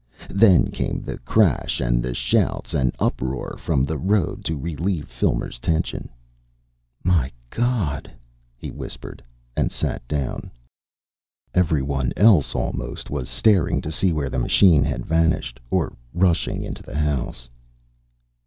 Then came the crash and the shouts and uproar from the road to relieve Filmer's tension. "My God!" he whispered, and sat down. Every one else almost was staring to see where the machine had vanished, or rushing into the house.